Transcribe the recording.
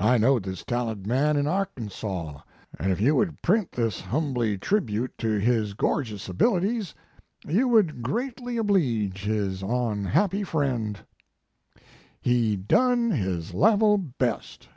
I knowed this talented man in Arkansaw, and if you would print this humbly tribute to his gorgis abilities, you would greatly obleege his onhappy friend/ "HE DONE His LEVEL BEST.